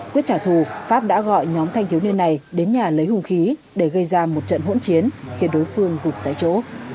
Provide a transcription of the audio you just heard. quyết trả thù pháp đã gọi nhóm thanh thiếu niên này đến nhà lấy hùng khí để gây ra một trận hỗn chiến khiến đối phương gục tại chỗ